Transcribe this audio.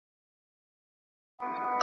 دونه پوچ کلمات .